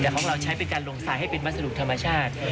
แต่ของเราใช้เป็นการลงทรายให้เป็นวัสดุธรรมชาติ